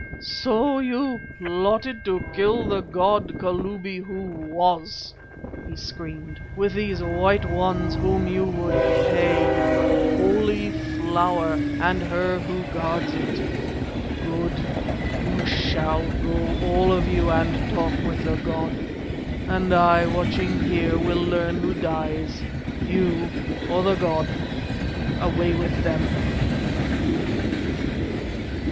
"So you plotted to kill the god, Kalubi who was," he screamed, "with these white ones whom you would pay with the Holy Flower and her who guards it. Good! You shall go, all of you, and talk with the god. And I, watching here, will learn who dies you or the god. Away with them!"